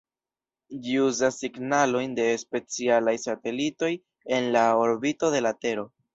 Ĝi uzas signalojn de specialaj satelitoj en la orbito de la tero.